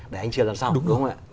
đúng không ạ đúng